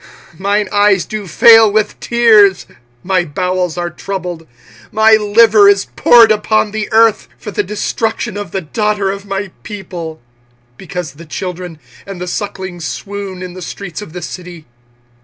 25:002:011 Mine eyes do fail with tears, my bowels are troubled, my liver is poured upon the earth, for the destruction of the daughter of my people; because the children and the sucklings swoon in the streets of the city.